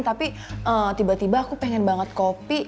tapi tiba tiba aku pengen banget kopi